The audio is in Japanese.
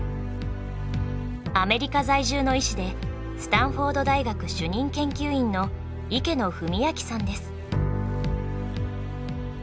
アメリカ在住の医師でスタンフォード大学主任研究員の池野文昭さんです。